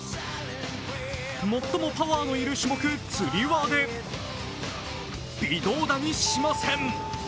最もパワーのいる種目・つり輪で微動だにしません。